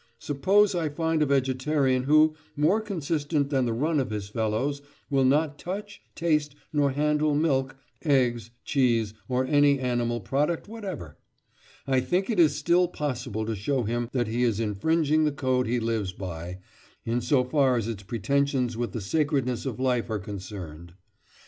Suppose I find a vegetarian who, more consistent than the run of his fellows, will not touch, taste, nor handle milk, eggs, cheese, or any animal product whatever. I think it is still possible to show him that he is infringing the code he lives by, in so far as its pretensions with the sacredness of life are concerned.